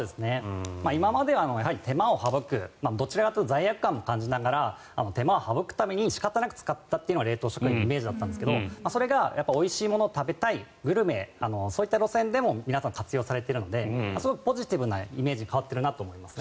今までは手間を省くどちらかというと罪悪感を感じながら手間を省くためにしかたなく使ったっていうのが冷凍食品のイメージだったんですがおいしいものを食べたい、グルメそういった路線でも皆さん活用されているのですごくポジティブなイメージに変わってるなと思います。